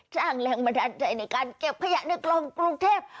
สร้างแรงบันดาลใจในการเก็บขยะในคลองกรุงเทพ